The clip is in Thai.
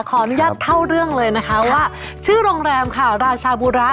ขออนุญาตเข้าเรื่องเลยนะคะว่าชื่อโรงแรมค่ะราชาบูระ